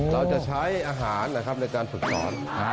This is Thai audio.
เราจะใช้อาหารนะครับในการฝึกสอน